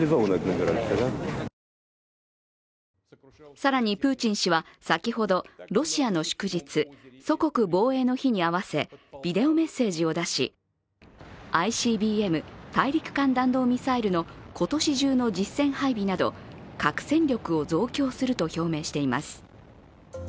更に、プーチン氏は先ほどロシアの祝日祖国防衛の日に合わせビデオメッセージを出し、ＩＣＢＭ＝大陸間弾道ミサイルの今年中の実戦配備など核戦力を増強すると表明しています。